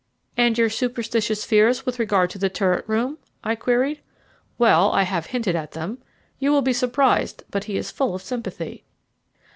"And your superstitious fears with regard to the turret room?" I queried. "Well, I have hinted at them. You will be surprised, but he is full of sympathy."